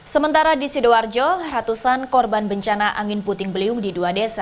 sementara di sidoarjo ratusan korban bencana angin puting beliung di dua desa